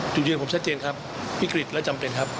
จุดยืนผมชัดเจนครับวิกฤตและจำเป็นครับ